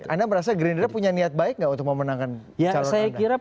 anda merasa gerindra punya niat baik nggak untuk memenangkan calon anda